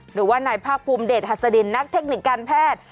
หรือว่านายภาคภูมิเดชหัสดินนักเทคนิคการแพทย์